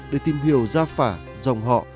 để tìm hiểu gia phả dòng họ